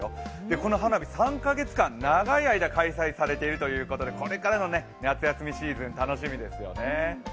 この花火、３か月間、長い間開催されているということでこれからの夏休みシーズン楽しみですよね。